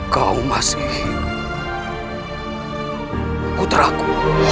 kau masih putraku